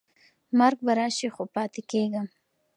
مرګ به راشي خو پاتې کېږم.